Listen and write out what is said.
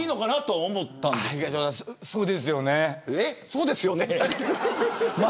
そうですよね。